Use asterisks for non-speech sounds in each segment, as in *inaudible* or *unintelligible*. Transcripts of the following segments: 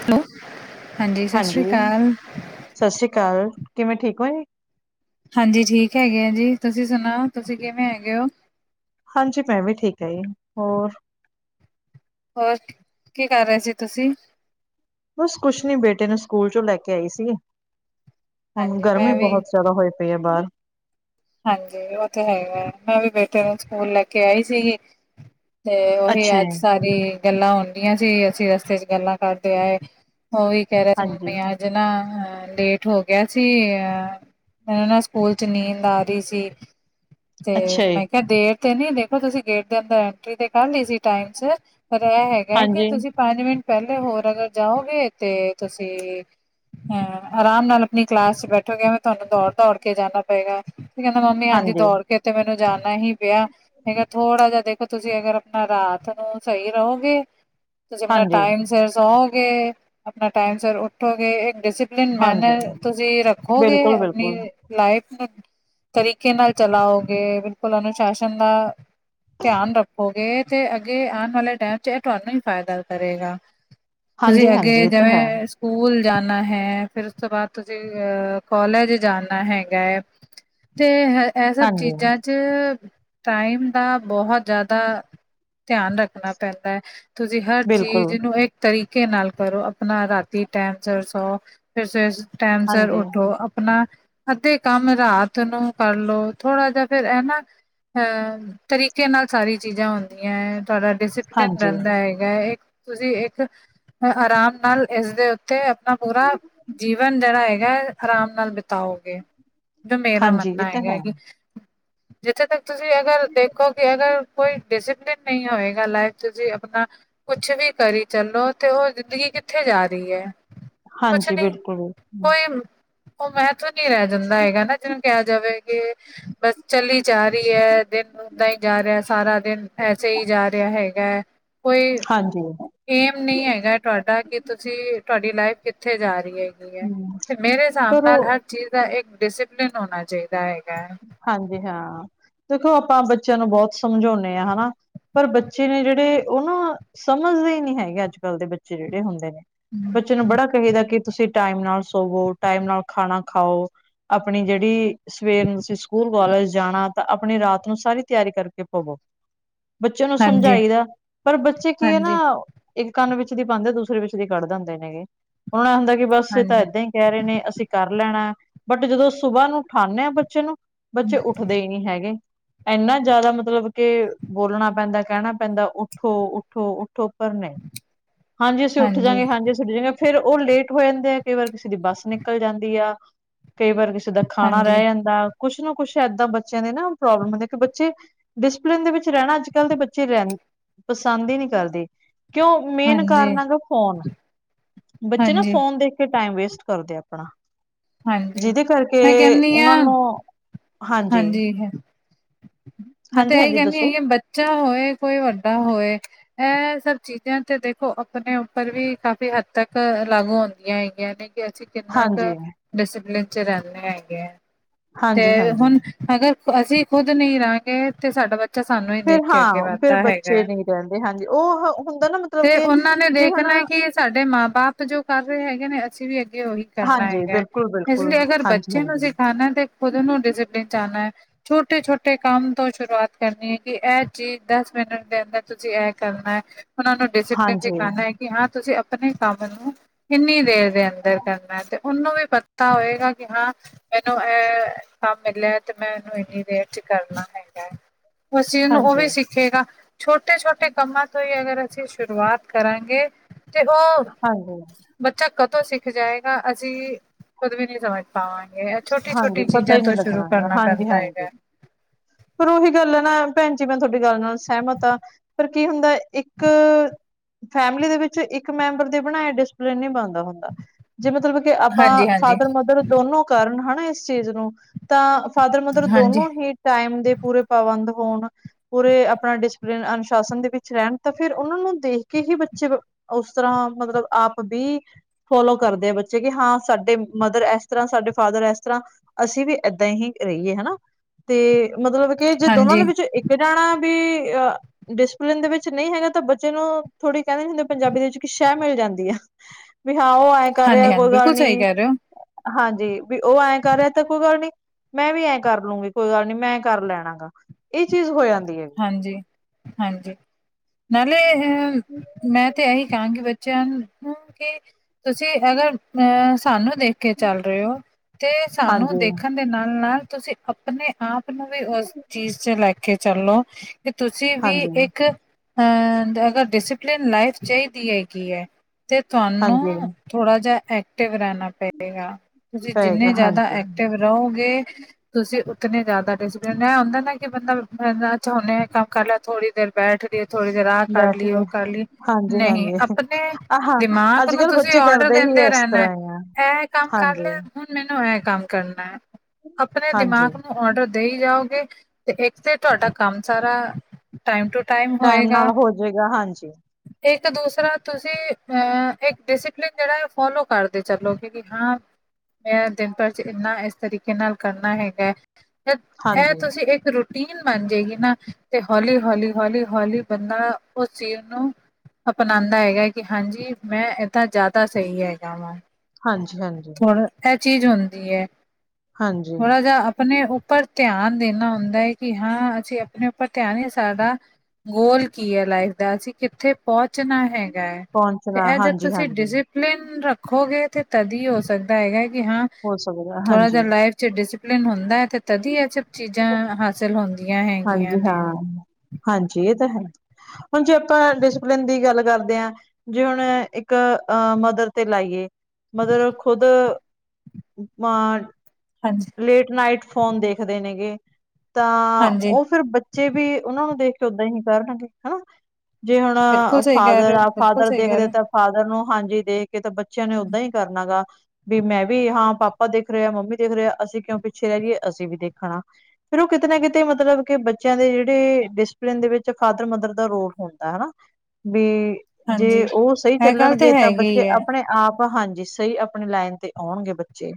Hello ਸਤਿ ਸ੍ਰੀ ਹਾਂਜੀ। ਅਕਾਲ ਸਸ ਰੀ ਕਾਲ, ਕਿਵੇਂ ਠੀਕ ਹੋ ਜੀ? ਹਾਂਜੀ, ਠੀਕ ਹੈਗੇ ਆ ਜੀ। ਤੁਸੀ ਸੁਣਾਓ, ਤੁਸੀ ਕਿਵੇਂ ਹੈਗੇ ਓ। ਹਾਂਜੀ। ਮੈਂ ਵੀ ਠੀਕ ਐ ਜੀ। ਹੋਰ? ਹੋਰ? ਕੀ ਕਰ ਰਏ ਸੀ ਤੁਸੀ? ਬਸ ਕੁਸ਼ ਨੀ, ਬੇਟੇ ਨੂੰ ਸਕੂਲ ਚੋਂ ਲੈ ਕੇ ਆਈ ਸੀ ਗੀ, ਹੁਣ ਹਾਂਜੀ ਗਰਮੀ ਮੈਂ ਵੀ ਬਹੁਤ ਜਾਦਾ ਹੋਏ। ਪਈ ਏ ਬਾਰ। ਹਾਂਜੀ, ਉਹ ਤੇ ਹੈਗੈ, ਮੈਂ ਵੀ ਬੇਟੇ ਨੂੰ ਸਕੂਲ ਲੈ ਕੇ ਆਈ ਸੀ ਗੀ। ਤੇ ਉਹੀ ਅੱਛਾ ਅੱਜ ਜੀ, ਸਾਰੀ ਗੱਲਾਂ ਹੁੰਦੀਆਂ ਸੀ, ਅਸੀਂ ਰਸਤੇ ਚ ਗੱਲਾਂ ਕਰਦੇ ਆਏ। ਓ ਵੀ ਕਹ ਰਯਾ ਸੀ ਮੰਮੀ ਹਾਂਜੀ, ਅੱਜ ਅੱਜ ਨਾ ਲੇਟ ਹੋ ਗਿਆ ਸੀ, ਅ ਮੈਨੂੰ ਨਾ ਸਕੂਲ 'ਚ ਨੀਂਦ ਆ ਆਂਦੀ ਸੀ ਤੇ ਅੱਛਾ ਜੀ, ਮੈਂ ਕਿਹਾ ਦੇਖ ਕੈਂਦੀ ਦੇਖੋ ਤੁਸੀ ਗੇਟ ਦੇ ਅੰਦਰ ਐਂਟਰੀ ਤੇ ਕਰ ਲਈ ਸੀ ਟਾਈਮ ਚ ਪਰ ਇਹ ਹੈਗਾ ਹੈ ਕਿ ਹਾਂਜੀ, ਤੁਸੀਂ ਪੰਜ ਮਿੰਟ ਪਹਿਲੇ ਹੋਰ ਅਗਰ ਜਾਓਗੇ ਤੇ ਤੁਸੀ ਹੰ ਆਰਾਮ ਨਾਲ ਆਪਣੀ ਕਲਾਸ ਚ ਬੈਠੋਗੇ ਏਵੇ ਤੁਹਾਨੂੰ ਦੌਰ -ਦੌਰ ਕੇ ਜਾਣਾ ਪਏਗਾ। ਕਹਿੰਦਾ, ਮੰਮੀ ਹਾਂਜੀ ਦੌਰ ਕੇ ਤੇ ਮੈਨੂੰ ਜਾਣਾ ਹੀ ਪਿਆ ਹੈਗਾ ਥੋੜਾ ਜਿਹਾ ਦੇਖੋ ਤੁਸੀ ਅਗਰ ਨਾ ਰਾਤ ਨੂੰ ਸਹੀ ਰਹੋਗੇ, ਤੁਸੀ ਅਪਣਾ ਹਾਂਜੀ, ਟਾਈਮ ਸਿਰ ਸੋਓਗੇ ਅਪਣਾ ਟਾਈਮ ਸਰ ਉਠੋਗੇ ਇੱਕ ਡਿਸਪਲਿਨ ਹਾਂਜੀ, ਮੈਨਰ ਤੁਸੀ ਰੱਖੋਗੇ, ਬਿਲਕੁਲ, ਬਿਲਕੁਲ, ਅਪਣੀ ਲਾਈਫ ਤਰੀਕੇ ਨਾਲ ਚਲਾਓਗੇ, ਬਿਲਕੁਲ ਅਨੁਸ਼ਾਸਨ ਨਾ ਧਿਆਨ ਰੱਖੋਗੇ ਤੇ ਅੱਗੇ ਆਣ ਵਾਲੇ ਟੈਮ ਚ ਏਹ ਤੁਹਾਨੂੰ ਹੀ ਫ਼ੈਦਾ ਤਰੇਗਾ। ਤੁਸੀ ਹਾਂਜੀ, ਹਾਂਜੀ, ਅੱਗੇ ਇਹ ਤਾਂ ਹੈ, ਜਿਵੇਂ ਸਕੂਲ ਜਾਣਾ ਹੈ, ਫਿਰ ਉਸ ਤੋਂ ਬਾਦ ਤੁਸੀ ਕੋਲਜ ਜਾਣਾ ਹੈਗਾ ਏ। ਤੇ ਹ ਇਹ ਸਭ ਹਾਂਜੀ, ਚੀਜ਼ਾਂ ਚ ਟਾਈਮ ਦਾ ਬਹੁਤ ਜਾਦਾ ਧਆਨ ਰੱਖਣਾ ਪੈਂਦੈ। ਤੁਸੀ ਹਰ ਬਿਲਕੁਲ, ਚੀਜ਼ ਨੂੰ ਇਕ ਤਰੀਕੇ ਨਾਲ ਕਰੋ ਆਪਣਾ ਰਾਤੀ ਟੈਮ ਸਿਰ ਸੋਓ। ਫਿਰ ਸਵੇ ਸ ਟੈਮ ਸਿਰ ਹਾਂਜੀ, ਉਠੋ ਆਪਣਾ ਅੱਧੇ ਕੰਮ ਰਾਤ ਤ ਨੂੰ ਕਰਲੋ ਥੋਰਾ ਜੇਆ ਫੇਰ ਐ ਨਾ ਅ ਤਰੀਕੇ ਨਾਲ ਸਾਰੀ ਚੀਜ਼ਾਂ ਹੁੰਦੀਐ, ਤੁਹਾਡਾ ਡਿਸਪਲਿਨ ਹਾਂਜੀ, ਰਹਿੰਦਾ ਏ। ਏ ਇਕ ਤੁਸੀ ਇਕ ਆਰਾਮ ਨਾਲ ਇਸਦੇ ਉਤੇ ਆਪਣਾ ਪੂਰਾ ਜੀਵਨ ਜੇਰਾ ਹੈਗੈ ਆਰਾਮ ਨਾਲ ਬਿਤਾਓਗੇ। ਤੇ ਮੇਰਾ ਹਾਂਜੀ, ਇਹ ਮੰਨਣਾ ਤਾਂ ਹੈਗਾ ਹੈ, ਏ ਕਿ ਜਿੱਥੇ ਤਕ ਤੁਸੀ ਅਗਰ ਦੇਖੋ ਕਿ ਅਗਰ ਕੋਈ ਡਿਸਪਲਿਨ ਨਹੀਂ ਹੋਏਗਾ ਲਾਈਫ ਤੁਸੀ ਅਪਣਾ ਕੁਛ ਵੀ ਕਰੀ ਚੱਲੋ ਤੇ ਉਹ ਜ਼ਿੰਦਗੀ ਕਿੱਥੇ ਜਾ ਰਹੀ ਏ। ਕੁਛ ਹਾਂਜੀ, ਨਹੀਂ ਬਿਲਕੁਲ, ਕੋਈ ਉਹ ਮੈਂ ਤਾਂ ਨੀ ਰਹਿ ਜਾਂਦਾ ਹੈਗਾ ਨਾ, ਜਿਹਨੂੰ ਕਿਹਾ ਜਾਵੇ ਕੇ ਬਸ ਚਲੀ ਜਾ ਰਹੀ ਏ ਦੇਖੋ ਹੁੰਦਾ ਹੀ ਜਾ ਰਿਹਾ ਸਾਰਾ ਦਿਨ, ਐਸੇ ਹੀ ਜਾ ਰਿਹਾ ਹੈਗੈ। ਕੋਈ ਹਾਂਜੀ, ਏਮ ਨਹੀਂ ਹੈਗਾ ਤੁਹਾਡਾ ਕਿ, ਤੁਸੀਂ ਤੁਹਾਡੀ ਲਾਈਫ ਕਿੱਥੇ ਜਾ ਰਹੀ ਏ। ਹੂੰ, ਤੇ ਮੇਰੇ ਹਿਸਾਬ ਪਰ ਨਾਲ ਉਹ ਹਰ ਚੀਜ਼ ਦਾ ਇੱਕ ਡਿਸਿਪਲਿਨ ਹੋਣਾ ਚਾਹੀਦਾ ਹੈਗਾ ਹੈ। ਹਾਂਜੀ ਹਾਂ, ਦੇਖੋ ਆਪਾਂ ਬੱਚਿਆਂ ਨੂੰ ਬਹੁਤ ਸਮਝਾਉਂਦੇ ਹਾਂ ਹਨਾ। ਪਰ ਬੱਚੇ ਨੇ ਜਿਹੜੇ ਉਹ ਨਾ ਸਮਝਦੇ ਹੀ ਨਹੀਂ ਹੈਗੇ ਅੱਜ ਕੱਲ੍ਹ ਦੇ ਬੱਚੇ ਜਿਹੜੇ ਹੁੰਦੇ ਨੇ। ਹੂੰ, ਬੱਚੇ ਨੂੰ ਬੜਾ ਕਹੇ ਦਾ ਕਿ ਤੁਸੀਂ ਟਾਈਮ ਨਾਲ ਸੋਵੋ, ਟਾਈਮ ਨਾਲ ਖਾਣਾ ਖਾਓ, ਆਪਣੀ ਜਿਹੜੀ ਸਵੇਰ ਨੂੰ ਸਕੂਲ, ਕਾਲਜ ਜਾਣਾ ਤਾਂ ਆਪਣੀ ਰਾਤ ਨੂੰ ਸਾਰੀ ਤਿਆਰੀ ਕਰਕੇ ਪਵੋ। ਬੱਚੇ ਨੂੰ ਹਾਂਜੀ, ਸਮਝਾਈ ਦਾ, ਪਰ ਬੱਚੇ ਕੀ ਹੈ ਹਾਂਜੀ, ਨਾ ਇੱਕ ਕੰਨ ਵਿੱਚ ਦੀ ਪਾਉਂਦੇ, ਦੂਸਰੇ ਵਿੱਚ ਦੀ ਕੱਢ ਦਿੰਦੇ ਨੇ ਇਹ। ਉਹਨਾ ਇਹ ਹੁੰਦਾ ਕਿ ਬਸ ਇਹ ਤਾਂ ਹਾਂਜੀ, ਏਦਾਂ ਈ ਕਹਿ ਰਹੇ ਨੇ ਅਸੀਂ ਕਰ ਲੈਣਾ, ਬਟ ਜਦੋਂ ਸੁਬਾਹ ਨੂੰ ਉਠਾਦੇ ਹਾਂ ਬੱਚੇ ਨੂੰ ਬੱਚੇ ਉੱਠਦੇ ਹੀ ਨੀ ਹੈਗੇ। ਇੰਨਾ ਜ਼ਿਆਦਾ ਮਤਲਬ ਕੇ ਬੋਲਣਾ ਪੈਂਦਾ, ਕਹਿਣਾ ਪੈਂਦਾ, ਉੱਠੋ ਉੱਠੋ ਉੱਠੋਪਰ ਨਈ। ਹਾਂਜੀ ਅਸੀਂ ਉੱਠ ਜਾਂਗੇ ਹਾਂਜੀ ਅਸੀ ੳਠ ਜਾਂਗੇ ਫੇਰ ਉਹ ਲੇਟ ਹੋ ਜਾਂਦੇ ਆ, ਕਈ ਵਾਰ ਕਿਸੇ ਦੀ ਬੱਸ ਨਿਕਲ ਜਾਂਦੀ ਆ ਕਈ ਵਾਰ ਕਿਸੇ ਦਾ ਖਾਣਾ ਰਹਿ ਹਾਂਜੀ, ਜਾਂਦਾ। ਕੁਛ ਨਾ ਕੁੱਛ ਏਦਾਂ ਬੱਚਿਆਂ ਦੇ ਨਾ ਪ੍ਰੋਬਲਮ ਹੁੰਦੀ ਬੱਚੇ ਡਿਸਪਲਿਨ ਦੇ ਵਿੱਚ ਰਹਿਣਾ ਅੱਜ ਕੱਲ੍ਹ ਦੇ ਬੱਚੇ ਰਹਿ, ਪਸੰਦ ਹੀ ਨਹੀਂ ਕਰਦੇ। ਕਿਉਂ? ਮੇਨ ਹਾਂਜੀ, ਕਾਰਨ ਹੈਗਾ ਫੋਨ, ਬੱਚੇ ਨਾ ਹਾਂਜੀ, ਫੋਨ ਦੇਖ ਟਾਈਮ ਵੇਸਟ ਕਰਦੇ ਆਪਣਾ। ਹਾਂਜੀ। ਜਿਹਦੇ ਕਰਕੇ ਮੈਂ ਕਹਿੰਦੀ ਉਹਨਾਂ ਹਾਂ ਨੂੰ ਹਾਂਜੀ, ਹੈ ਮੈਂ ਤਾਂ ਹਾਂਜੀ ਇਹੀ ਹਾਂਜੀ ਕਹਿੰਦੀ ਦੱਸੋ ਹੈਗੀ ਬੱਚ ਬਚਾ ਹੋਏ, ਕੋਈ ਵੱਡਾ ਹੋਏ ਇਹ ਸਭ ਚੀਜ਼ਾਂ ਤੇ ਦੇਖੋ ਆਪਣੇ ਉੱਪਰ ਵੀ ਕਾਫ਼ੀ ਹੱਦ ਤੱਕ ਲਾਗੂ ਹੁੰ ਦਿਆਂ ਹੈਗੀਆਂ ਨੇ ਕਿ ਅਸੀਂ ਕਿੰਨਾ ਕੁ ਹਾਂਜੀ ਡਿਸਪਲਿਨ ਚ ਰਹਿੰਦੇ ਹੈਗੇ ਆ। ਤੇ ਹਾਂਜੀ ਹਾਂਜੀ ਹੁਣ ਅਗਰ ਅਸੀਂ ਖੁੱਦ ਨਹੀਂ ਰਹਾਂਗੇ ਤੇ ਸਾਡਾ ਬ ਬੱਚਾ ਸਾਨੂੰ ਹੀ ਫਿਰ ਦੇਖ ਕੇ ਅੱਗੇ ਹਾਂ ਫਿਰ ਵੱਧਦਾ ਬੱਚੇ ਹੈਗਾ, ਨਹੀਂ ਰਹਿੰਦੇ ਹਾਂਜੀ ਉਹ ਹ- ਹੁੰਦਾ ਨਾ ਮਤਲਬ ਤੇ ਕਿ ਉਹਨਾਂ ਨੇ ਜੇ ਹੁਣ ਦੇਖਣਾ ਕਿ ਸਾਡੇ ਮਾਂ ਬਾਪ ਜੋ ਕਰ ਰਹੇ ਹੈਗੇ ਨੇ ਅਸੀਂ ਵੀ ਅੱਗੇ ਉਹੀ ਕਰਨਾ ਹਾਂਜੀ ਹੈਗੈ। ਬਿਲਕੁਲ ਇਸ ਬਿਲਕੁਲ ਲਈ ਅਗਰ ਹਾਂਜੀ ਬੱਚੇ ਨੂੰ ਹਾਂਜੀ ਅਸੀ ਆਨਾ ਤੇ ਖੁਦ ਨੂੰ ਡਿਸਿਪਲਿਨ ਚ ਆਨਾ ਏ। ਛੋਟੇ- ਛੋਟੇ ਕੰਮ ਤੋਂ ਸ਼ੁਰੂਆਤ ਕਰਨੀ ਏ, ਕਿ ਇਹ ਚੀਜ਼ ਦਸ ਮਿੰਟ ਦੇ ਅੰਦਰ ਤੁਸੀਂ ਇਹ ਕਰਨਾ ਏ। ਉਹਨਾਂ ਨੂੰ ਡਿਸੀਪਿਲਨ ਹਾਂਜੀ ਸਿਖਾਨਾ ਏ, ਕਿ ਹਾਂ ਤੁਸੀਂ ਆਪਣੇ ਕੰਮ ਨੂੰ ਕਿੰਨੀ ਦੇਰ ਦੇ ਅੰਦਰ ਕਰਨਾ ਏ, ਤੇ ਉਹਨੂੰ ਵੀ ਪਤਾ ਹੋਏਗਾ ਕਿ ਹਾਂ ਮੈਨੂੰ ਇਹ ਕੰਮ ਮਿਲਿਆ ਤੇ ਮੈਂ ਉਹਨੂੰ ਇੰਨੀ ਦੇਰ ਚ ਕਰਨਾ ਹੈਗਾ ਏ, ੳਸ ਚੀਜ ਨੂ ਉਹ ਹਾਂਜੀ ਵੀ ਸਿੱਖੇਗਾ। ਛੋਟੇ -ਛੋਟੇ ਕੰਮਾਂ ਤੋਂ ਹੀ ਅਗਰ ਅਸੀਂ ਸ਼ੁਰੂਆਤ ਕਰਾਂਗੇ ਤੇ ਉਹ ਹਾਂਜੀ ਬੱਚਾ ਕਦੋਂ ਸਿੱਖ ਜਾਏਗਾ ਅਸੀਂ ਕੁਦ ਵੀ ਨਹੀਂ ਸਮਝ ਪਾਵਾਂਗੇ ਛੋਟੀ ਹਾਂਜੀ ਛੋਟੀ ਪਤਾ ਚੀਜ਼ਾਂ ਹੀ ਤੋਂ ਨਹੀਂ ਸ਼ੁਰੂ ਲੱਗਣਾ ਹੈਗਾ ਕਰਨਾ ਹਾਂਜੀ ਪੈਂਦਾ ਹਾਂਜੀ ਹੈਗਾ। ਪਰ ਉਹੀ ਗੱਲ ਏ ਨਾ ਭੈਣ ਜੀ ਮੈਂ ਤੁਹਾਡੀ ਗੱਲ ਨਾਲ ਸਹਿਮਤ ਹਾਂ। ਪਰ ਕੀ ਹੁੰਦਾ ਇੱਕ ਫੈਮਿਲੀ ਦੇ ਵਿੱਚ ਇੱਕ ਮੈਂਬਰ ਦੇ ਬਣਾਏ ਡਿਸਪਲਿਨ ਨੀ ਬਣਦਾ ਹੁੰਦਾ। ਜੇ ਮਤਲਬ ਕਿ ਆਪਾਂ ਹਾਂਜੀ-ਹਾਂਜੀ, ਫਾਦਰ ਮਦਰ ਦੋਨੋ ਕਾਰਨ ਹਨਾ ਇਸ ਚੀਜ਼ ਨੂੰ ਤਾਂ ਫਾਦਰ ਮਦਰ ਦੋਨੋ ਹਾਂਜੀ-ਹਾਂਜੀ, ਹੀ ਟਾਈਮ ਦੇ ਪੂਰੇ ਪਾਬੰਦ ਹੋਣ। ਪੂਰੇ ਆਪਣਾ ਡਿਸਪਲਨ ਅਨੁਸ਼ਾਸਨ ਦੇ ਵਿੱਚ ਰਹਿਣ ਤਾਂ ਫੇਰ ਉਹਨਾਂ ਨੂੰ ਦੇਖ ਕੇ ਹੀ ਬੱਚੇ ਉਸ ਤਰ੍ਹਾਂ ਮਤਲਬ ਆਪ ਵੀ ਫੋਲੋ ਕਰਦੇ ਆ ਬੱਚੇ ਕਿ ਹਾਂ ਸਾਡੇ ਮਦਰ ਇਸ ਤਰ੍ਹਾਂ ਸਾਡੇ ਫਾਦਰ ਇਸ ਤਰ੍ਹਾਂ ਅਸੀਂ ਵੀ ਏਦਾਂ ਹੀ ਰਹੀਏ ਹਨਾ ਤੇ ਮਤਲਬ ਕਿ ਜੇ ਦੋਨਾਂ ਦੇ ਵਿੱਚ ਇੱਕ ਜਾਣਾ ਵੀ ਡਿਸਪਲਿਨ ਦੇ ਵਿੱਚ ਨਹੀਂ ਹੈਗਾ ਤਾਂ ਬੱਚੇ ਨੂੰ ਥੋੜ੍ਹੀ ਕਹਿੰਦੇ ਹੁੰਦੇ ਪੰਜਾਬੀ ਦੇ ਵਿੱਚ ਸ਼ਹਿ ਮਿਲ ਜਾਂਦੀ ਆ। ਵੀ ਹਾਂ ਉਹ ਐਂ ਕਰ ਰਿਹਾ ਹਾਂਜੀ-ਹਾਂਜੀ ਕੋਈ ਗੱਲ ਬਿਲਕੁਲ ਸਹੀ ਨੀ ਕਹਿ ਰਹੇ ਹੋ ਹਾਂਜੀ। ਵੀ ਉਹ ਐਂ ਕਰ ਰਿਹਾ ਤਾਂ ਕੋਈ ਗੱਲ ਨੀ, ਮੈਂ ਵੀ ਐਂ ਕਰ ਲੂੰਗੀ ਕੋਈ ਗੱਲ ਨੀ ਮੈਂ ਕਰ ਲੈਣਾ ਗਾ। ਇਹ ਚੀਜ਼ ਹੋ ਜਾਂਦੀ ਹੈ। ਹਾਂਜੀ, ਹਾਂਜੀ। ਨਾਲੇ ਅ ਮੈਂ ਤੇ ਇਹੀ ਕਹਾਂਗੀ ਬੱਚਿਆਂ ਨੂੰ ਕਿ ਤੁਸੀਂ ਅਗਰ ਅਹ ਸਾਨੂੰ ਦੇਖ ਕੇ ਚੱਲ ਰਹੇ ਹੋ। ਤੇ ਸਾਨੂੰ ਹਾਂਜੀ ਦੇਖਣ ਦੇ ਨਾਲ ਨਾਲ ਤੁਸੀਂ ਆਪਣੇ ਆਪ ਨੂੰ ਵੀ ਉਸ ਚੀਜ਼ ਚ ਲੈ ਕੇ ਚੱਲੋ ਕਿ ਤੁਸੀਂ ਵੀ ਹਾਂਜੀ ਇੱਕ ਅ ਅਗਰ ਡਿਸਿਪਲਿਨ ਲਾਈਫ ਚਾਹੀਦੀ ਹੈਗੀ ਹੈ ਤੇ ਹਾਂਜੀ ਤੁਹਾਨੂੰ ਥੋੜਾ ਜਿਹਾ ਐਕਟਿਵ ਰਹਿਣਾ ਪਏਗਾ, ਤੁਸੀਂ ਪਏਗਾ ਜਿੰਨੇ ਜ਼ਿਆਦਾ ਹਾਂਜੀ ਐਕਟਿਵ ਰਹੋਗੇ ਤੁਸੀਂ ਉਤਨੇ ਜ਼ਿਆਦਾ ਡਿਸਲਪਨ ਇਹ ਹੁੰਦਾ ਨਾ ਕਿ ਬੰਦਾ ਨੇ ਕੰਮ ਕਰ ਲ ਥੋੜੀ ਦੇਰ। *inaudible* ਬੈਠ ਕੇ ਥੋੜ੍ਹੀ ਦੇਰ ਆਹ ਕਰ ਬੈਠ ਲਈਏ ਉਹ ਗਏ ਕਰ ਲਈਏ ਹਾਂਜੀ ਨਹੀਂ ਹਾਂਜੀ ਆਪਣੇ ਆਹਾਂ ਦਿਮਾਗ ਅੱਜ ਨੂੰ ਕੱਲ੍ਹ ਤੁਸੀਂ ਤੁਸੀਂ ਬੱਚੇ ਔਡਰ ਕਰਦੇ ਹੀ ਦਿੰਦੇ ਇਸ ਰਹਿਣਾ ਤਰ੍ਹਾਂ ਹੀ ਆ ਇਹ ਕੰਮ ਕਰ ਲਿਆ ਹਾਂਜੀ ਹੈ। ਮੈਨੂੰ ਇਹ ਕੰਮ ਕਰਨਾ ਏ, ਆਪਣੇ ਹਾਂਜੀ ਦਿਮਾਗ ਨੂੰ ਔਡਰ ਦੇਈ ਜਾਓਗੇ ਤੇ ਇੱਕ ਤੇ ਤੁਹਾਡਾ ਕੰਮ ਸਾਰਾ ਟਾਈਮ ਟੂ ਟਾਈਮ ਹੋਏਗਾ। ਨਾਲ ਹੋ ਜਾਏਗਾ ਹਾਂਜੀ ਇੱਕ ਦੂਸਰਾ ਤੁਸੀਂ ਅ ਇੱਕ ਡਿਸਲਿਪਨ ਜਿਹੜਾ ਫੋਲੋ ਕਰਦੇ ਚਲੋ ਕਿ ਹਾਂ। ਏ ਤੇ ਦਿਨ ਭਰ ਚ ਇੰਨਾ ਇਸ ਤਰੀਕੇ ਨਾਲ ਕਰਨਾ ਹੈਗਾ ਹੈ। ਇਹ ਹਾਂਜੀ ਤੁਸੀਂ ਇੱਕ ਰੂਟੀਨ ਬਣ ਜਾੇਗੀ ਨਾ ਤੇ ਹੌਲੀ ਹੌਲੀ ਹੌਲੀ ਹੌਲੀ ਬੰਨਾ ਉਸ ਚੀਜ ਨੂੰ ਅਪਣਾਉਂਦਾ ਹੈਗਾ ਕਿ ਹਾਂਜੀ, ਮੈਂ ਏਦਾਂ ਜ਼ਿਆਦਾ ਸਹੀ ਹੈਗਾ ਵਾਂ। ਹਾਂਜੀ, ਹਾਂਜੀ। ਇਹ ਚੀਜ਼ ਹੁੰਦੀ ਏ ਹਾਂਜੀ ਥੋੜਾ ਜਿਹਾ ਆਪਣੇ ਉਪ ਪਰ ਧਿਆਨ ਦੇਣਾ ਹੁੰਦਾ ਹੈ ਕਿ ਹਾਂ ਅਸੀਂ ਆਪਣੇ ਉੱਪਰ ਧਿਆਨ ਏ ਸਾਡਾ, ਗੋਲ ਕੀ ਹੈ ਲਾਈਫ ਦਾ ਅਸੀਂ ਕਿੱਥੇ ਪਹੁੰਚਣਾ ਹੈਗਾ ਏ ਪਹੁੰਚਣਾ ਇਹ ਜਦ ਹਾਂਜੀ ਤੁਸੀਂ ਹਾਂਜੀ ਡਿਜ਼ਿਟ ਨਿਯਮ ਰੱਖੋਗੇ ਤੇ ਤਦੀ ਹੋ ਸਕਦਾ ਹੈਗਾ ਕਿ ਹਾਂ ਹੋ ਸਕਦਾ ਥੋੜਾ ਹਾਂਜੀ ਜਿਹਾ ਲਾਈਫ ਡਿਸਪਲਿਨ ਹੁੰਦਾ ਏ ਤੇ ਤਦੀ ਇਹ ਸਭ ਚੀਜ਼ਾਂ ਹਾਸਿਲ ਹੁੰਦ। ਹਾਂਜੀ ਹਾਂ ਹਾਂਜੀ। ਇਹ ਤਾਂ ਹੈ। ਹੁਣ ਜੇ ਆਪਾਂ ਡਿਸਪਲਿਨ ਦੀ ਗੱਲ ਕਰਦੇ ਹਾਂ ਜੇ ਹੁਣ ਇੱਕ ਅ ਮਦਰ ਤੇ ਲਾਈਏ ਮਦਰ ਖੁਦ ਬਰ ਹਾਂਜੀ। ਲੇਟ ਨਾਈਟ ਫੋਨ ਦੇਖਦੇ ਨੇਗੇ ਤਾਂ ਹਾਂਜੀ ਉਹ ਫਿਰ ਥਚ ਤੇ ਬਈ ਉਹਨਾਂ ਨੂੰ ਦੇਖ ਕੇ ਓਦਾਂ ਹੀ ਕਰਨਗੇ ਹਾਂ। ਜੇ ਹੁਣ ਬਿਲਕੁਲ ਸਹੀ ਕਹਿ ਫਾਦਰ ਰਹੇ ਹੋ, ਆ ਬਿਲਕੁਲ ਫਾਦਰ ਸਹੀ ਕਹਿ ਦੇਖਦੇ ਰਹੇ ਹੋ, ਤਾਂ ਫਾਦਰ ਨੂੰ ਹਾਂਜੀ, ਦੇਖ ਕੇ ਤਾਂ ਬੱਚਿਆਂ ਨੇ ਓਦਾਂ ਹੀ ਕਰਨਾ ਗਾ। ਵੀ ਮੈਂ ਵੀ ਹਾਂ ਪਾਪਾ ਦੇਖ ਰਿਹਾ, ਮੰਮੀ ਦੇਖ ਰਿਹਾ, ਅਸੀਂ ਕਿਉਂ ਪਿੱਛੇ ਰਹਿ ਜਾਈਏ, ਅਸੀਂ ਵੀ ਦੇਖਣਾ। ਫਿਰ ਉਹ ਕਿਤੇ ਨਾ ਕਿਤੇ ਮਤਲਬ ਕਿ ਬੱਚਿਆਂ ਦੇ ਜਿਹੜੇ ਡਿਸਪਲਨ ਦੇ ਵਿੱਚ ਫਾਦਰ ਮਦਰ ਦਾ ਰੋਲ ਹੁੰਦਾ ਹਨਾ। ਵੀ ਜੇ ਹਾਂਜੀ। ਉਹ ਸਹੀ ਇਹ ਗੱਲ ਤੇ ਚੱਲਣਗੇ, ਤਾਂ ਹੈਗੀ ਬੱਚੇ ਹੀ ਹੈ, ਆਪਣੇ ਆਪ ਹਾਂਜੀ, ਸਹੀ ਆਪਣੇ ਲਾਈਨ ਤੇ ਆਉਣਗੇ ਬੱਚੇ।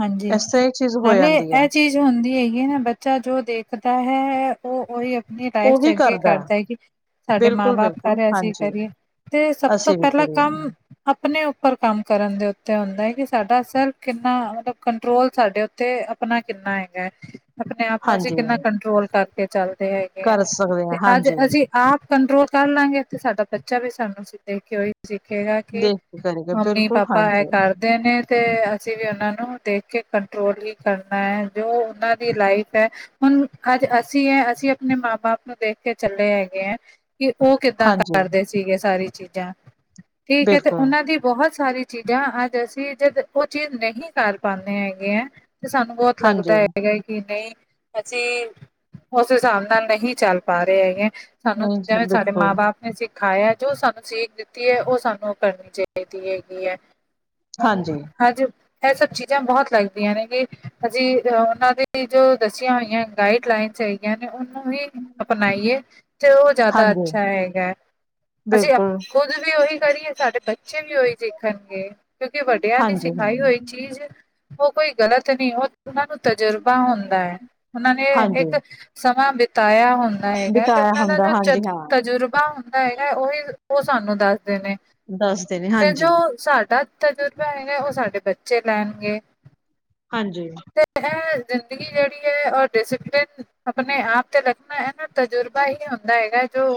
ਹਾਂਜੀ, ਇਸ ਤਰ੍ਹਾਂ ਹੀ ਚੀਜ਼ ਹੋ ਨਾਲੇ ਜਾਂਦੀ ਆ ਐ ਚੀਜ਼ ਚੀਜ਼ ਹੁੰਦੀ ਹੈਗੀ ਏ ਨਾ, ਬੱਚਾ ਜੋ ਦੇਖਦਾ ਹੈ ਓ ਉਹੀ ਅਪ ਅਪਨੀ ਲਾਈਫ ਚ ਅੱਗੇ ਕਰਦਾ ਏ ਕਿ ਸਾਡੇ ਮਾਂ- ਬਿਲਕੁਲ ਬਾਪ ਕਰ ਬਿਲਕੁਲ ਰੇ ਅਸੀਂ ਵੀ ਹਾਂਜੀ ਕਰੀਏ। ਤੇ ਸਭ ਤੋਂ ਅਸੀਂ ਵੀ ਪੈਲਾਂ ਕਰੀਏ ਕੰਮ ਅਪਨੇ ਉੱਪਰ ਕੰਮ ਕਰਨ ਦੇ ਉੱਤੇ ਹੁੰਦਾ ਏ ਕਿ ਸਾਡਾ ਸੇਲਫ ਕਿੰਨਾ ਮਤਲਬ ਕੰਟਰੋਲ ਸਾਡੇ ਉੱਤੇ ਅਪਨਾ ਕਿੰਨਾ ਹੈਗੈ, ਅਪਨੇ ਆਪ ਨੂੰ ਅਸੀਂ ਹਾਂਜੀ ਕਿੰਨਾ ਕੰਟਰੋਲ ਕਰ ਕੇ ਚੱਲਦੇ ਹੈਗੇ ਆ ਕਰ ਸਕਦੇ ਤੇ ਹਾਂ ਅੱਜ ਹਾਂਜੀ ਅਸੀਂ ਆਪ ਕੰਟਰੋਲ ਕਰ ਲਾਂਗੇ ਤੇ ਸਾਡਾ ਬੱਚਾ ਵੀ ਸਾਨੂੰ ਅਸੀਂ ਦੇਖ ਕੇ ਓਈ ਸਿੱਖੇਗਾ ਕਿ ਦੇਖ ਕੇ ਕਰੇਗਾ ਮੰਮੀ- ਬਿਲਕੁਲ ਪਾਪਾ ਐ ਹਾਂਜੀ ਕਰਦੇ ਨੇ ਤੇ ਅਸੀਂ ਵੀ ਓਨਾਂ ਨੂੰ ਦੇਖ ਕੇ ਕੰਟਰੋਲ ਹੀ ਕਰਨਾ ਐ, ਜੋ ਉਨਾਂ ਦੀ ਲਾਈਫ ਐ ਹੁਨ ਅੱਜ ਅਸੀਂ ਐ, ਅਸੀਂ ਅਪਨੇ ਮਾਂ- ਬਾਪ ਨੂੰ ਦੇਖ ਕੇ ਚੱਲੇ ਹੈਗੇ ਐ ਕਿ ਓ ਕਿੱਦਾਂ ਹਾਂਜੀ ਕ-ਰਦੇ ਸੀਗੇ ਸਾਰੀ ਚੀਜ਼ਾਂ, ਠੀਕ ਐ ਤੇ ਬਿਲਕੁਲ ਉਨਾਂ ਦੀ ਬਹੁਤ ਸਾਰੀ ਚੀਜ਼ਾਂ ਅੱਜ ਅਸੀਂ ਜਦ ਓ ਚੀਜ਼ ਨਹੀਂ ਕਰ ਪਾਨੇ ਹੈਗੇ ਆ ਤੇ ਸਾਨੂੰ ਬੋਤ ਹਾਂਜੀ ਲੱਗਦੈ ਹੈਗਾ ਏ ਕਿ ਨਈ ਅਸੀਂ, ਓਸ ਹਿਸਾਬ ਨਾਲ ਨਹੀਂ ਚੱਲ ਪਾ ਰੇ ਹੈਗੇ, ਸਾਨੂੰ ਨਹੀਂ ਜਿਵੇਂ ਸਾਡੇ ਮਾਂ- ਬਿਲਕੁਲ ਬਾਪ ਨੇ ਸਿਖਾਇਆ, ਜੋ ਸਾਨੂੰ ਸੀਖ ਦਿੱਤੀ ਐ ਓ ਸਾਨੂੰ ਕਰਨੀ ਚਾਈਦੀ ਹੈਗੀ ਐ। ਹਾਂਜੀ ਹੂੰ- ਹਾਜੀ ਐ ਸਭ ਚੀ ਚੀਜ਼ਾਂ ਬਹੁਤ ਲੱਗਦੀਆਂ ਨੇ ਕਿ ਅਸੀਂ ਉਨਾਂ ਦੀ ਜੋ ਦੱਸੀਆਂ ਹੋਈਆਂ ਗਾਈਡ ਲਈਨਸ ਹੈ ਹੈਗੀਆਂ ਨੇ ਉਨੂੰ ਵੀ ਅਪਨਾਈਏ ਤੇ ਓ ਜਾਦਾ ਹਾਂਜੀ ਅੱਛਾ ਹੈਗਾ। ਬਿਲਕੁਲ। ਖੁੱਦ ਵੀ ਓਹੀ ਕਰੀਏ ਸਾਡੇ ਬੱ ਬੱਚੇ ਵੀ ਓਹੀ ਸਿੱਖਨਗੇ ਕਿਉਂਕਿ ਵੱਡਿਆਂ ਦੀ ਹਾਂਜੀ ਸਿਖਾਈ ਹੋਈ ਚੀਜ਼ ਓ ਕੋਈ ਗ਼ਲਤ ਨੀ ਓ -ਉਨਾਂ ਨੂੰ ਤਜੁਰਬਾ ਹੁੰਦਾ ਐ। ਉਨਾਂ ਨੇ ਹਾਂਜੀ ਏਕ ਸਮਾਂ ਬਿਤਾਇਆ ਹੁੰਦਾ ਹੈਗਾ ਤੇ ਬਿਤਾਇਆ ਉਨਾਂ ਦਾ ਹੁੰਦਾ ਜੋ ਚ ਹਾਂਜੀ ਹਾਂ -ਤਜੁਰਬਾ ਹ ਹੁੰਦਾ ਹੈਗਾ, ਓਹੀ - ਓ ਸਾਨੂੰ ਦੱਸਦੇ ਨੇ। ਦੱਸਦੇ ਨੇ। ਤੇ ਜੋ ਹਾਂਜੀ ਸਾਡਾ ਤਜੁਰਬਾ ਹੈਗਾ ਓ ਸਾਡੇ ਬੱਚੇ ਲੈਨਗੇ। ਹਾਂਜੀ। ਤੇ ਐ ਜ਼ਿੰਦਗੀ ਜੇੜੀ ਐ ਓ ਡਿਸੀਪਲਿਨ ਅਪਨੇ ਆਪ ਤੇ ਰਖਨਾ ਐਨਾ ਤਜੁਰਬਾ ਹੀ ਹੁੰਦਾ ਹੈਗੈ ਜੋ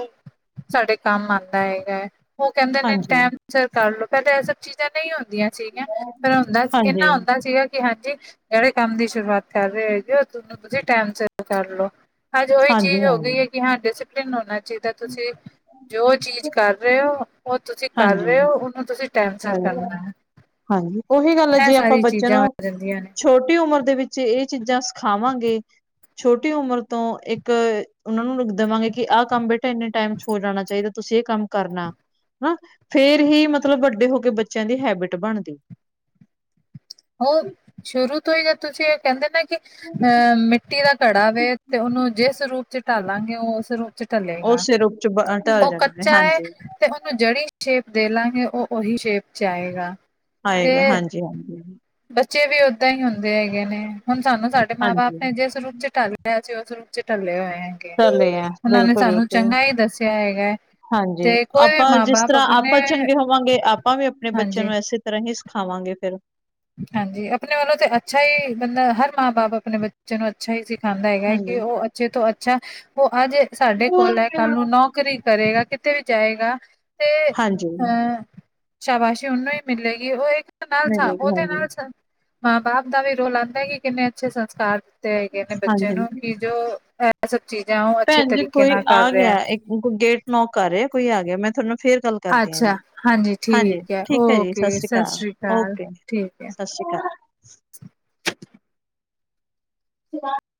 ਸਾਡੇ ਕੰਮ ਆਂਦੈ ਹੈਗੈ। ਓ ਕੈਂਦੇ ਨੇ ਹਾਂਜੀ ਹਾਂਜੀ ਟੈਮ ਸਿਰ ਕਰ ਲੋ, ਪੈਲੇ ਐ ਸਭ ਚੀਜ਼ਾਂ ਨਈ ਹੁੰਦੀਆਂ ਸੀਗੀਆਂ। ਪਰ ਹੁੰਦਾ ਸੀ- ਹਾਂਜੀ ਇਨਾਂ ਹੁੰਦਾ ਸੀਗਾ ਕਿ ਹਾਂਜੀ ਜੇੜੇ ਕੰਮ ਦੀ ਸ਼ੁਰੂਆਤ ਕਰ ਰੇ ਹੈਗੇ ਓ ਤ - ਤੁਸੀਂ ਟੈਮ ਸਿਰ ਕਰ ਲੋ। ਅੱਜ ਉਹੀ ਹਾਂਜੀ ਚੀਜ਼ ਹੋ ਗੀ ਏ ਕਿ ਹਾਂ ਡਿਸੀਪਲਿਨ ਹੋਨਾ ਚਾਈਦੈ। ਤੁਸੀਂ, ਜੋ ਚੀਜ਼ ਕਰ ਰੇ ਓ-ਓ ਤੁਸੀ ਕਰ ਰੇ ਹਾਂਜੀ ਓ ਉਨੂੰ ਤੁਸੀਂ ਟੈਂਮ ਸਿਰ ਕਰਨੈ। ਹਾਂਜੀ, ਉਹੀ ਗੱਲ ਐ ਜੇ ਆਪਾਂ ਬੱਚਿਆਂ ਚੀਜ਼ਾਂ ਹੋ ਨੂੰ ਜਾਂਦੀਆਂ ਨੇ ਛੋਟੀ ਉਮਰ ਦੇ ਵਿੱਚ ਏ ਚੀਜ਼ਾਂ ਸਿਖਾਵਾਂਗੇ ਛੋਟੀ ਉਮਰ ਤੋਂ ਇੱਕ ਉਨਾਂ ਨੂੰ ਦੇਵਾਂਗੇ ਕਿ ਆ ਕੰਮ ਬੇਟਾ ਇੰਨੇ ਟੈਮ ਚ ਹੋ ਜਾਣਾ ਚਾਈਦੈ। ਤੁਸੀਂ ਏ ਕੰਮ ਕਰਨਾ। ਹਨਾ! ਫੇਰ ਹੀ ਮਤਲਬ ਵੱਡੇ ਹੋ ਕੇ ਬੱਚਿਆਂ ਦੀ ਹੈਬਿਟ ਬਣਦੀ। ਹੋਰ ਸ਼ੁਰੂ ਤੋਂ ਈ ਜਦ ਤੁਸੀਂ ਏ ਕੈਂਦੇ ਨਾ ਕਿ ਅ ਮਿੱਟੀ ਦਾ ਘੜਾ ਵੇ ਤੇ ਉਨੂੰ ਜਿਸ ਰੂਪ ਚ ਢਾਲਾਂਗੇ ਓ ਉਸ ਰੂਪ ਚ ਉਹ ਢਲੇਗਾ, ਸਿਰ ਉੱਚ ਢਲ ਓ ਜਾਣਾ ਨੇ ਕੱਚਾ ਐ। ਹਾਂਜੀ ਤੇ ਓਨੂੰ ਜੇੜੀ ਸ਼ੇਪ ਦੇ ਲਾਂਗੇ ਓ ਓਹੀ ਸ਼ੇਪ ਚ ਆਏਗਾ। ਤੇ ਆਏਗਾ ਹਾਂਜੀ-ਹਾਂਜੀ। ਬੱਚੇ ਵੀ ਓਦਾਂ ਈ ਹੁੰਦੇ ਹੈਗੇ ਨੇ, ਹੁਣ ਸਾਨੂੰ ਸਾਡੇ ਮਾਂ ਬਾਪ ਹਾਂਜੀ ਨੇ ਜਿਸ ਰੂਪ ਚ ਟਾਲ ਜ ਅਸੀਂ ਉਸ ਰੂਪ ਚ ਢੱਲੇ ਹੋਏ ਹੈਗੇ ਆ ਚਲੇ ਉਨਾਂ ਨੇ ਬਿਲਕੁਲ ਸਾਨੂੰ ਬਿਲਕੁਲ ਚੰਗਾ ਈ ਦੱਸਿਆ ਹੈਗਾ ਐ। ਹਾਂਜੀ ਆਪਾਂ ਜਿਸ ਤਰਾਂ ਆਪਾਂ ਚੰਗੇ ਹੋਵਾਂਗੇ, ਆਪਾਂ ਵੀ ਆਪਣੇ ਹਾਂਜੀ ਬੱਚਿਆਂ ਨੂੰ ਐਸੇ ਤਰਾਂ ਹੀ ਸ ਖਾਵਾਂਗੇ ਫੇਰ। ਹਾਂਜੀ ਆਪਣੇ ਵੱਲੋਂ ਤੇ ਅੱਛਾ ਈ ਬੰਦਾ, ਹਰ ਮਾਂ ਬਾਪ ਆਪਣੇ ਬੱ ਚੇ ਨੂੰ ਅੱਛਾ ਈ ਸਿਖਾਂਦਾ ਹੈਗੈ ਕੀ ਹਾਂਜੀ। ਓ ਅੱਛੇ ਤੋਂ ਅੱਛਾ ਓ ਅੱਜ ਸਾਡੇ ਕੋਲ ਐ ਕੱਲ ਨੂੰ ਨੌ ਨੌਕਰੀ ਕਰੇਗਾ ਕਿਤੇ ਵੀ ਜਾਏਗਾ ਤੇ ਹਾਂਜੀ ਹੰ ਸ਼ਾਬਾਸ਼ੀ ਓਨੂੰ ਈ ਮਿਲੇਗੀ ਓ ਇੱਕ ਨਾਲ *unintelligible* ਮਿਲੇਗੀ ਓਦੇ ਹਾਂਜੀ ਨਾਲ ਸੰ, ਮਾਂ- ਬਾਪ ਦਾ ਵੀ ਰੋਲ ਆਂਦੈ ਕਿ ਕਿੰਨੇ ਅੱਛੇ ਸੰਸਕਾਰ ਦਿੱਤੇ ਹੈਗੇ ਨੇ ਬੱਚੇ ਹਾਂਜੀ ਹਾਂਜੀ। ਨੂੰ ਕਿ ਜੋ ਐ ਸਭ ਚੀਜ਼ਾਂ ਓ ਅੱਛੇ ਭੈਣ ਜੀ ਤਰੀਕੇ ਨਾਲ ਆ ਕਰ ਰਿਐ। ਗਿਆ ਇੱਕ ਕੋਈ ਗੇਟ ਨੋਕ ਕਰ ਰਿਐ ਕੋਈ ਆ ਗਿਆ ਮੈਂ ਥੋਂਨੂੰ ਫੇਰ ਗੱਲ ਕਰਦੇ ਆ ਅੱਛਾ ਜੀ ਹਾਂਜੀ ਠੀਕ ਹੈ ਠੀਕ ਐ ਜੀ ਸਸ ਓਕੇ ਸ੍ਰੀ ਸਤਿ ਕਾਲ ਅਕਾਲ ਓਕੇ ਠੀਕ ਹੈ ਸਸ *inaudible* *inaudible*